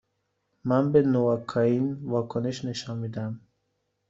من به نواکائین واکنش نشان می دهم.